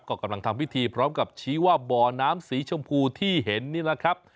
ก็กำลังทำพิธีพร้อมกับชี้ว่าบ่อน้ำสีชมพูที่เห็นนี่นะครับ